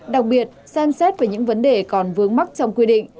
đặc biệt xem xét về những vấn đề còn vướng mắc trong quy định